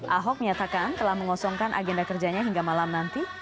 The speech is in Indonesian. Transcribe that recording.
ahok menyatakan telah mengosongkan agenda kerjanya hingga malam nanti